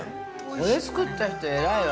◆これ作った人、偉いわ。